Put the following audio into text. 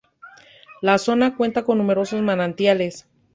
La zona cuenta con numerosos manantiales.